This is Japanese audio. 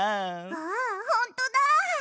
あほんとだ！